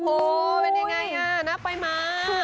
โอ้วเป็นยังไงอะน้ำไปมา